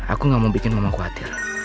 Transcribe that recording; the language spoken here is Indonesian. aku gak mau bikin mama khawatir